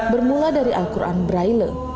bermula dari al quran braille